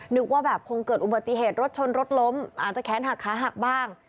นึกว่าแบบคงเกิดอุบัติเหตุรถชนรถล้มอาจจะแขนหักขาหักบ้าง